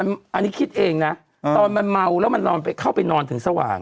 อันนี้คิดเองนะตอนมันเมาแล้วมันเข้าไปนอนถึงสว่าง